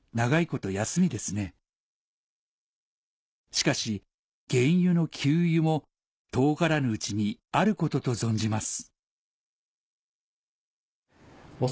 「しかし原油の給油も遠からぬうちにあることと存じます」